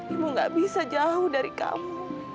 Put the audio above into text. ibu gak bisa jauh dari kamu